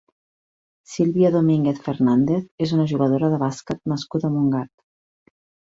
Silvia Domínguez Fernández és una jugadora de bàsquet nascuda a Montgat.